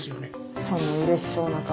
そのうれしそうな顔。